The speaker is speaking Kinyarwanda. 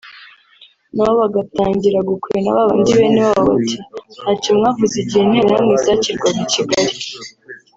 nabo bagatangira gukwena babandi bene wabo bati ntacyo mwavuze igihe interahamwe zakirwaga i Kigali